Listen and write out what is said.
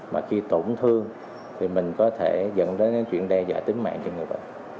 mà khi tổn thương thì mình có thể dẫn đến cái chuyện đe dọa tính mạng cho người bệnh